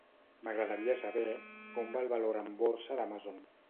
M'agradaria saber com va el valor en borsa d'Amazon.